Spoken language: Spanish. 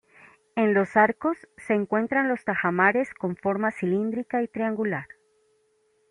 En los arcos se encuentran los tajamares con forma cilíndrica y triangular.